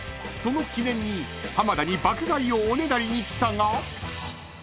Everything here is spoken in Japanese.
［その記念に浜田に爆買いをおねだりに来たが］